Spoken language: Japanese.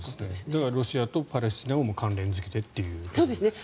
だからロシアとパレスチナを関連付けてということですね。